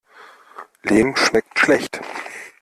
Lehm schmeckt schlecht.